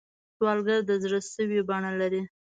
سوالګر د زړه سوې بڼه لري